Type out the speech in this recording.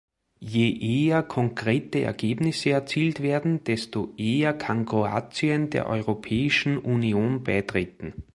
Je eher konkrete Ergebnisse erzielt werden, desto eher kann Kroatien der Europäischen Union beitreten.